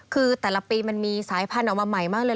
คือแต่ละปีมันมีสายพันธุ์ออกมาใหม่มากเลย